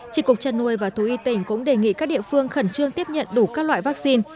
trị cục chăn nuôi và thú y tỉnh cũng đề nghị các địa phương khẩn trương tiếp nhận đủ các loại vaccine